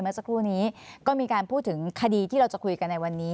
เพียบเลยก็มีการพูดถึงคดีที่เราจะคุยกันในวันนี้